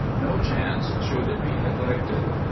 No chance should be neglected.